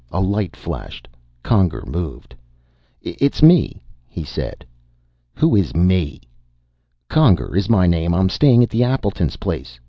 A light flashed. Conger moved. "It's me," he said. "Who is 'me'?" "Conger is my name. I'm staying at the Appleton's place.